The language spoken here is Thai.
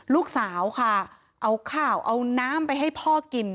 ลูกสาวค่ะเอาข้าวเอาน้ำไปให้พ่อกิน